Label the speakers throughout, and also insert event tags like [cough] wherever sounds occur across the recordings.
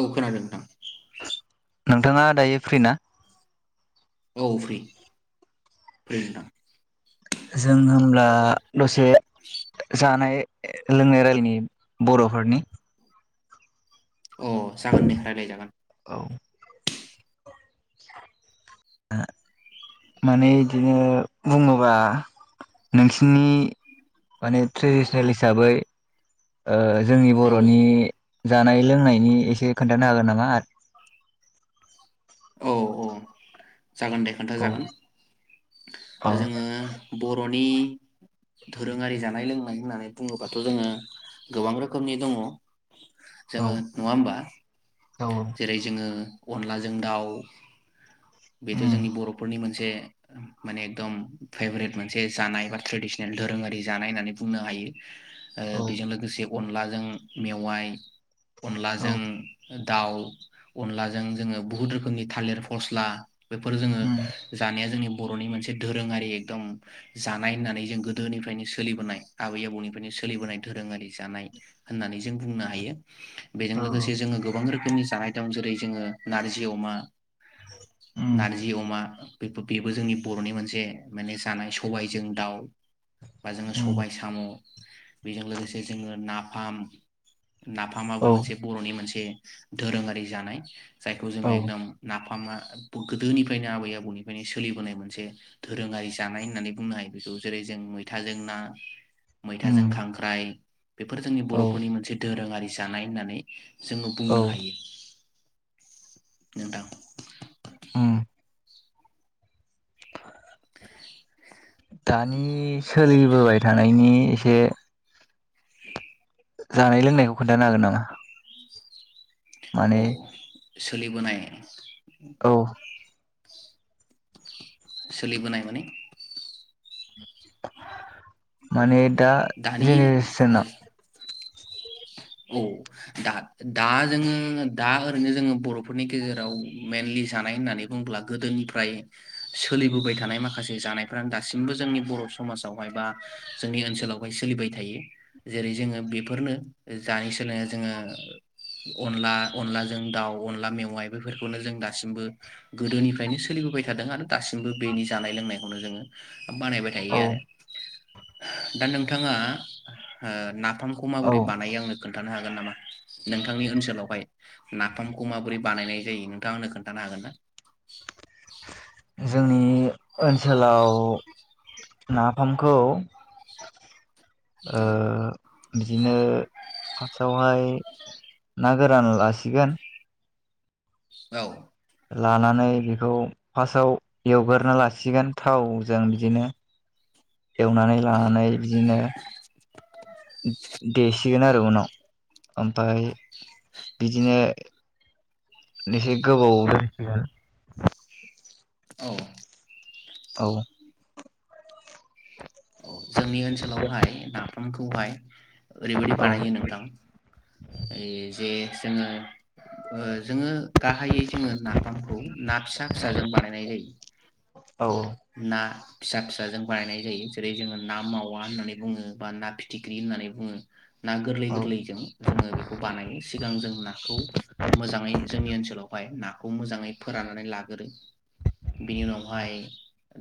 Speaker 1: औ खोनादों नोंथां
Speaker 2: नोंथाङा दायो फ्रि ना
Speaker 1: औ फ्रि फ्रि नोंथां
Speaker 2: जों होमब्ला दसे
Speaker 1: [inaudible]
Speaker 2: जानाय लोंनाय रायलायनि बर'फोरनि
Speaker 1: अ जागोन दे रायलायजागोन
Speaker 2: औ माने बिदिनो बुङोबा नोंसिनि माने ट्रेडिसनेल हिसाबै ओ जोंनि
Speaker 1: औ
Speaker 2: बर'नि जानाय लोंनायनि एसे खोन्थानो हागोन नामा आरो
Speaker 1: औ औ जागोन दे खोन्था
Speaker 2: औ
Speaker 1: जागोन
Speaker 2: औ
Speaker 1: जोङो बर'नि दोरोङारि जानाय लों नाय होननानै बुङोबाथ जोङो गोबां रोखोमनि दङ
Speaker 2: औ
Speaker 1: जोङो नङा होमबा
Speaker 2: औ
Speaker 1: जेरै जोङो अनलाजों दाउ [unintelligible] बेथ'
Speaker 2: उम
Speaker 1: जोंनि बर'फोरनि मोनसे माने एकदम फेभरेट मोनसे जानाय बा ट्रेडिसनेल दोरोङारि जानाय होननानै बुंनो हायो ओ
Speaker 2: औ
Speaker 1: बिजों लोगोसे अनलाजों मेवाइ
Speaker 2: औ
Speaker 1: अनलाजों हो दाउ अनलाजों जोङो बुहुत रो फोरनि थालिर फस्ला बेफोर जोङो
Speaker 2: उम
Speaker 1: जानाया जोंनि बर'नि मोनसे दोरोङारि एकदम जानाय होननानै जों गोदोनिफ्रायनो सोलिबोनाय आबै आबौनिफ्रायनो सोलिबोनाय दोरोङारि जानाय होननानै जों बुंनो हायो। बेजों
Speaker 2: औ
Speaker 1: लोगोसे जोङो गोबां रोख फोरनि जानाय दं जेरै जोङो नारजि अमा
Speaker 2: उम
Speaker 1: नारजि अमा बेफो बेबो जोंनि बर'नि मोनसे माने जानाय सबायजों दाउ बा जोङो
Speaker 2: उम
Speaker 1: सबाय साम' बेजों लोगोसे जोङो नाफाम नाफामाबो
Speaker 2: औ
Speaker 1: मोनसे बर'नि मोनसे दोरोङारि जानाय जायखौ जों
Speaker 2: औ
Speaker 1: एकदम नाफामा बो गोदोनिफ्रायनो आबै आबौनिफ्रायनो सोलिबोनाय मोनसे दोरोङारि जानाय होननानै बुंनो हायो बेखौ जेरै जों मैथाजों ना मैथाजों
Speaker 2: उम
Speaker 1: खांख्राइ बेफोर जोंनि
Speaker 2: औ
Speaker 1: बर'फोरनि मोनसे दोरोङारि जानाय होननानै जोङो
Speaker 2: औ
Speaker 1: बुंनो हायो। नोंथां [inaudible]
Speaker 2: उम दानि सोलिबोबाय थानायनि एसे
Speaker 1: [inaudible]
Speaker 2: जानाय लोंनायखौ खोनथानो हागोन नामा? माने
Speaker 1: औ सोलिबोनाय [inaudible]
Speaker 2: औ
Speaker 1: सोलिबोनाय माने
Speaker 2: माने दा
Speaker 1: दानि
Speaker 2: जेनेरेस सना
Speaker 1: औ दा दा जोङो दा ओरैनो जोङो बर'फोरनि गेजेराव मेनलि जानाय होननानै बुङोब्ला गोदोनिफ्राय सोलिबोबाय थानाय माखासे जानायफ्रानो दासिमबो जोंनि बर' समाजावहाय बा जोंनि ओनसोलावहाय सोलिबाय थायो जेरै जोङो बेफोरनो ए जानो सोलोङो जोङो अनला अनलाजों दाउ अनला मेवाइ बेफोरखौनो जों दासिमबो गोदोनिफ्रायनो सोलिबोबाय थादों आरो दासिमबो बेनि जानाय लोंनाय खौनो जोङो बानाय बाय
Speaker 2: औ
Speaker 1: थायो आरो। दा नोंथाङा ओ ना फामखौ
Speaker 2: औ
Speaker 1: माबोरै दायो आंनो खोनथानो हागोन नामा नोंथांनि ओनसोलावहाय नाफामखौ माबोरै बानायनाय जायो नोंथां आंनो खोनथानो हागोन ना
Speaker 2: जोंनि ओनसोलाव नाफामखौ आ
Speaker 1: औ
Speaker 2: बिदिनो फार्स्टआवहाय ना गोरान लासिगोन
Speaker 1: औ
Speaker 2: लानानै बेखौ फार्स्टआव एवग्रोना लासिगोन थावजों बिदिनो एवनानै
Speaker 1: औ
Speaker 2: लानानै बिदिनो देसिगोन आरो उनाव ओमफ्राय बिदिनो एसे गोबावाव दोनसिगोन
Speaker 1: औ
Speaker 2: औ
Speaker 1: जोंनि ओनसोलावहाय नाफामखौहाय ओरैबायदि
Speaker 2: औ
Speaker 1: बानायो नोंथां जे जोङो ओ जोङो गाहायै जोङो नाफामखौ ना फिसा फिसाजों बानायनाय जायो
Speaker 2: औ
Speaker 1: ना फिसा फिसाजों बानायनाय जायो जेरै जोङो ना मावा होननानै बुङो बा ना फिथिख्रि होननानै बुङो ना गोरलै
Speaker 2: औ
Speaker 1: गोरलैजों जोङो बेखौ बानायो सिगां जों नाखौ मोजाङै जोंनि ओनसोलावहाय ना खौ मोजाङै फोराननानै लाग्रोयो बेनि उनाव बेवहाय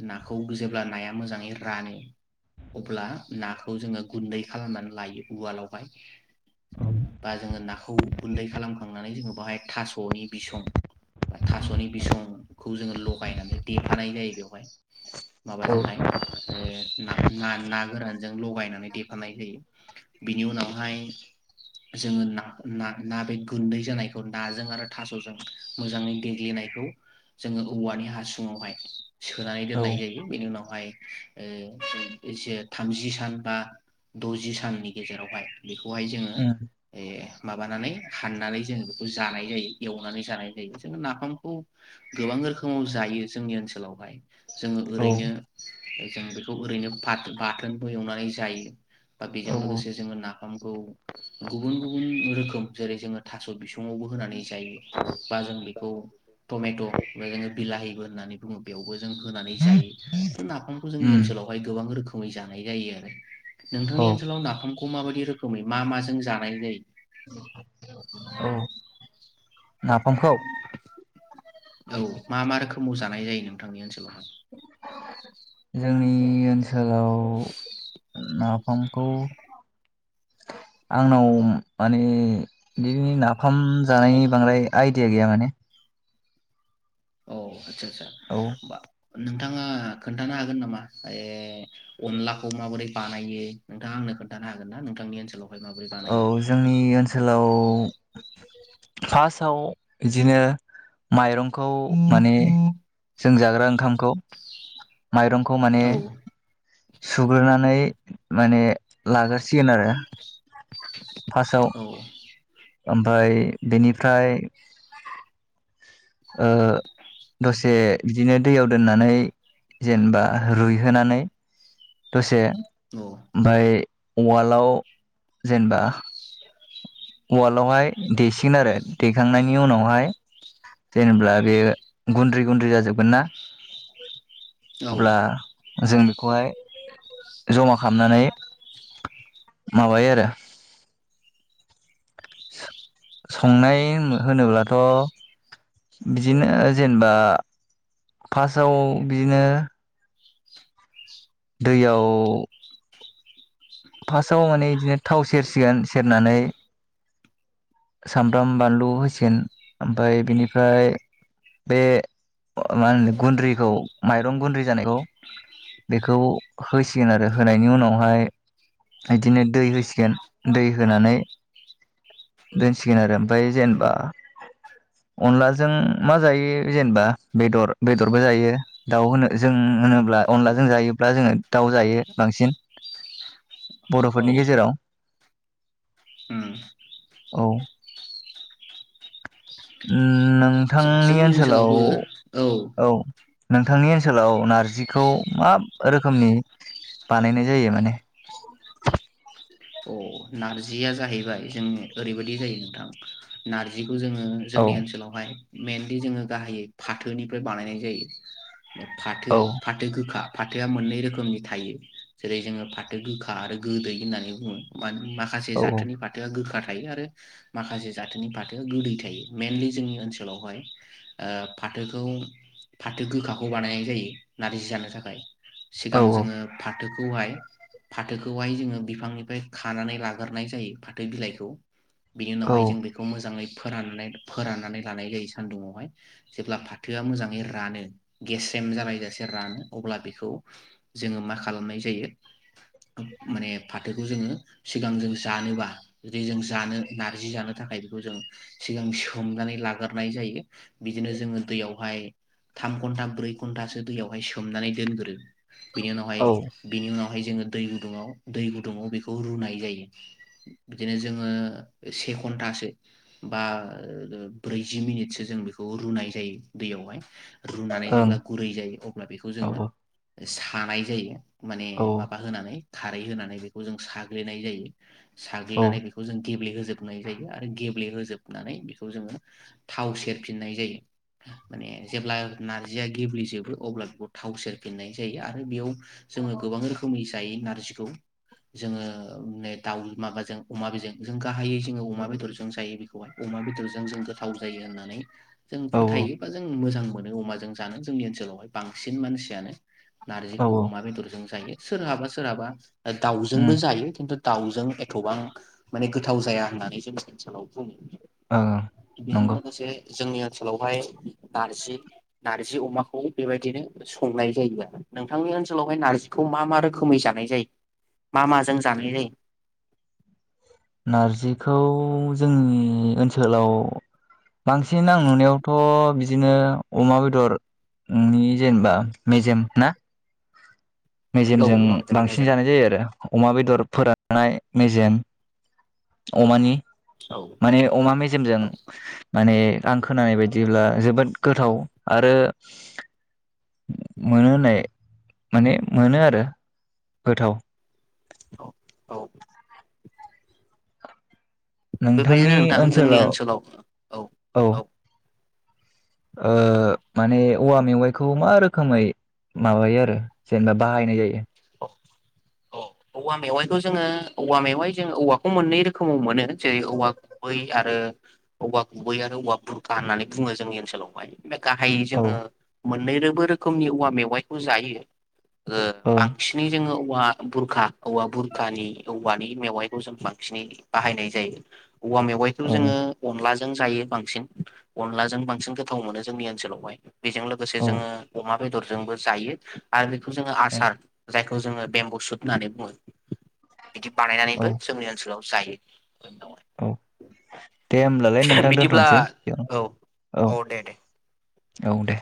Speaker 1: नाखौ जेब्ला नाया मोजाङै रानो अब्ला नाखौ जोङो गुन्दै खालामनानै लायो उवालावहाय बा जोङो नाखौ गुन्दै खालामखांनानै जोङो बहाय थासनि बिसं बा थासनि बिसंखौ जोङो लगायनानै देफानाय जायो बेवहाय माबाजोंहाय ओ ना-ना-ना गोरानजों लगायनानै देफानाय जायो बिनि उनावहाय जोङो ना-ना-ना बे गुन्दै जानायखौ नाजों आरो थासजों मोजाङै देग्लिनायखौ जोङो औवानि हासुं यावहाय सोनानै
Speaker 2: औ
Speaker 1: दोननाय जायो बेनि उनावहाय ओ एसे थामजि सान बा दजि साननि गेजेरावहाय बेखौहाय जोङो ए माबानानै फाननानै जोङो बेखौ जानाय जायो एवनानै जानाय जायो जों नाफामखौ गोबां रोखोमाव जायो जोंनि ओनसोलावहाय जोङो
Speaker 2: औ
Speaker 1: ओरैनो जों बेखौ ओरैनो बा बाथोनबो एवनानै जायो बा बेजों
Speaker 2: औ
Speaker 1: लोगोसे जोङो नाफाम खौ गुबुन गुबुन रोखोम जेरै जोङो थास बिसुं यावबो होनानै जायो बा जों बेखौ टमेट जोंबो बिलाहिबो होननानै बुङो बेयावबो जों होनानै
Speaker 2: औ
Speaker 1: जायो बे नाफामखौ जोंनि
Speaker 2: उम
Speaker 1: ओलावहाय गोबां रोखोम मै जानाय जायो आरो
Speaker 2: औ
Speaker 1: नोंथांनि ओनसोलाव नाफाम खौ माबायदि रोखोमै मा माजों जानाय जायो
Speaker 2: औ नाफामखौ
Speaker 1: औ मा मा रोखोमाव जानाय जायो नोंथांनि ओनसोलाव [inaudible]
Speaker 2: जोंनि ओनसोल लाव नाफ नाफामखौ आंनाव माने बिनि नाफाम जानायनि बांद्राय आइडिया गैया माने
Speaker 1: आतसा आतसा
Speaker 2: औ
Speaker 1: बा नोंथाङा खोन्थानो हागोन नामा ए अनलाखौ माबोरै बानायो नोंथाङा आंनो खोन्थानो हागोन ना नोंथांनि ओनसोलाव
Speaker 2: औ जोंनि ओनसोलाव फासाव इदिनो माइरं खौ माने जों जा ग्रा ओंखामखौ माइरंखौ माने
Speaker 1: औ
Speaker 2: सुग्रोनानै माने लागोरसिगोन आरो फासाव
Speaker 1: औ
Speaker 2: ओमफाय बेनिफ्राय ओ दसे बिदिनो दैयाव दोननानै जेनेबा रुइहोनानै दसे ओमफाय उवालआव जेनेबा उवालावहाय देसिगोन आरो देखांनायनि उनावहाय जेनेब्ला बे गुन्द्रि गुन्द्रि जाजोबगोन ना
Speaker 1: औ
Speaker 2: अब्ला जों बे खौहाय जमा खालामनानै माबाय आरो संनाय होनोब्लाथ' बिदिनो जेनेबा फासाव बिदिनो दैयाव फासाव माने बिदिनो थाव सेरसिगोन सेरनानै सामब्राम बानलु होसिगोन ओमफाय बेनिफ्राय बे मा होनो गुन्द्रिखौ माइरं गुन्द्रि जानायखौ बेखौ होसिगोन आरो होनायनि उनावहाय इदिनो दै होसिगोन दै होनानै दोनसिगोन आरो ओमफाय जेनेबा अनलाजों मा जायो जेनेबा बेदर बेदरबो जायो दाउ होनो जों होनोब्ला अनलाजों जायोब्ला जोङो दाउ जायो बांसिन
Speaker 1: औ
Speaker 2: बर'फोरनि गेजेराव
Speaker 1: उम
Speaker 2: औ उम नों
Speaker 1: आदसा
Speaker 2: नोंथांनि
Speaker 1: जोंनि
Speaker 2: ओनसोलाव
Speaker 1: ओनसोलावबो
Speaker 2: औ नोंथांनि ओनसोलाव नारजिखौ मा रोखोमनि बानायनाय जायो माने
Speaker 1: औ नारजिया जाहैबाय जों ओरैबायदि जायो नोंथां नारजि जोङो
Speaker 2: औ
Speaker 1: जोंनि ओनसोलावहाय मेेनलि जोङो गाहायै फाथोनिफ्राय बानायनाय जायो फाथो
Speaker 2: औ
Speaker 1: फाथो गोखा फाथोआ मोननै रोखोमनि थायो जेरै जोङो फाथो गोखा आरो गोदै होननानै बुङो मान माखासे
Speaker 2: औ
Speaker 1: जाथोनि फाथोआ गोखा थायो आरो माखासे जाथोनि फाथोआ गोदै थायो मइेनलि जोंनि ओनसोलावहाय ओ फाथोखौ फाथो गोखाखौ बानायनाय जायो नारजि जानो थाखाय
Speaker 2: औ
Speaker 1: सिगां जोङो फा खौहाय फाथोखौहाय जोङो बिफांनिफाय खानानै लाग्रोनाय जायो फाथो बिलाइखौ बिनि
Speaker 2: औ
Speaker 1: उनावहाय जों बेखौ मोजाङै फोराननाय फोराननानै लानाय जायो सान्दुङावहाय जेब्ला फाथोआ मोजाङै रानो गेस्रेम जालायजासे रानो अब्ला बेखौ जोङो मा खालामनाय जायो माने फाथोखौ जोङो सिगां जों जानोबा जुदि जों जानो नारजि जानो थाखाय बेखौ जों सिगां सोमनानै लाग्रोनाय जायो बिदिनो जोङो दैयावहाय थाम घन्टा ब्रै घन्टासो दैयावहाय सोमनानै दोनग्रो बिनि उनावहाय
Speaker 2: औ
Speaker 1: बिनि उनाव जोङो दै गुुदुं आव दै गुदुङाव बे खौ रुनाय जायो बिदिनो जोङो से घन्टासो बा ब्रैजि मिनिटसो जों बेखौ रुनाय जायो दैयावहाय रुनानै
Speaker 2: ओं
Speaker 1: जेब्ला गुरै जायो अब्ला बेखौ
Speaker 2: औ
Speaker 1: जोङो सानाय जायो माने
Speaker 2: औ
Speaker 1: माबा होनानै खारै होनानै बेखौ जों साग्लिनाय जायो साग्लिनानै बेखौ जों गेब्ले हो जोबनाय जायो आरो गेब्लेहोजोबनानै बेखौ जोङो थाव सेरफिननाय जायो माने जेब्ला नारजिया गेब्लेजोबो अब्ला बेखौ थाव सेरफिननाय जायो आरो बेयाव जोङो गोबां रोखोमनि जायो नारजिखौ जोङो ओ दाउ माबाजों अमा बेजों जों गाहायै जोङो अमा बेदरजों जायो अमा बेदरजों जों गोथाव जायो होननानै जों
Speaker 2: औ
Speaker 1: फोथायोबा जों मोजां मो अमाजों जानो जोंनि ओनसोलावहाय बांसिन मानसियानो
Speaker 2: औ
Speaker 1: नारजिखौ
Speaker 2: औ
Speaker 1: अमा बेदरजों जायो सोरहाबा सोरहाबा दाउ
Speaker 2: उम
Speaker 1: जोंबो जायो खिन्थु दाउजों एथ'बां माने गोथाव जाया होननानै जोंनि ओनसोलाव बुङो
Speaker 2: ओ
Speaker 1: बेजों
Speaker 2: नंगौ
Speaker 1: लोगोसे जोंनि ओनसोलावहाय नार्जि नार्जि अमाखौ बेबायदिनो संनाय जायो आरो नोंथांनि ओनसोलावहाय नार्जिखौ मा मा रोखोमै जानाय जायो मा माजों जानाय जायो
Speaker 2: नारजिखौ जोंनि ओनसोलाव बांसिन आं नुनायावथ' बिदिनो अमा बेदरनि जेनेबा मेजेम ना
Speaker 1: औ
Speaker 2: मेजेमजों
Speaker 1: अमा बेदरनि
Speaker 2: बांसिन
Speaker 1: मेजेम
Speaker 2: जानाय जायो आरो अमा बेदर फोराननाय मेजेम अमानि
Speaker 1: औ
Speaker 2: माने अमा मेजेमजों
Speaker 1: औ
Speaker 2: माने आं खोनानाय बायदिब्ला जोबोद गोथाव आरो मोनो होननाय माने मोनो आरो गोथाव
Speaker 1: औ औ बेबायदिनो नोंथां जोंनि ओनसोलाव औ औ
Speaker 2: ओ माने औवा मेवाइखौ मा रोखोमै माबायो आरो जेनबा बाहायनाय जायो
Speaker 1: [inaudible] औवा मेवाइखौ जोङो औवा मेवाय जोङो औवाखौ मोननै रोखोमाव मोनो जेरै औवा गुबै आरो औवा गुबै आरो औवा बुरखा होननानै बुङो जोंनि ओनसोलावहाय बे गाहायै
Speaker 2: औ
Speaker 1: जोङो मोननै रोबो रोखोमनि औवा मेवाइखौ जायो ओ
Speaker 2: ओं
Speaker 1: बांसिनै जोङो औवा बुरखा औवा बुरखानि औवानि मेवाइखौ जों बांसिनै बाहायनाय जायो औवा मेवाइखौ
Speaker 2: ओं
Speaker 1: जोंङो अनला जों जायो बांसिन अनलाजों बांसिन गोथाव मोनो जोंनि ओनसोलावहाय बेजों लोगोसे
Speaker 2: औ
Speaker 1: जोङो अमा बेदरजोंबो जायो आरो बेखौ जोङो
Speaker 2: औ
Speaker 1: आसार जाय खौ जोंङो बेम्बु सुद होननानै बुङो बिदि
Speaker 2: औ
Speaker 1: बानायनानैबो जोंनि ओनसोलाव जायो
Speaker 2: औ दे होमब्लालाय नोंथां
Speaker 1: बिदिब्ला
Speaker 2: दोन्थ'नोसै
Speaker 1: औ
Speaker 2: बेयावनो
Speaker 1: औ दे दे
Speaker 2: औ औ दे